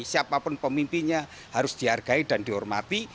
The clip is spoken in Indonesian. siapapun pemimpinnya harus dihargai dan dihormati